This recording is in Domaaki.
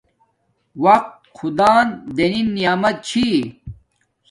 وقت خدا دنین نعمت چھی